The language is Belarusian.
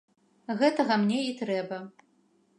Гэтага мне і трэба.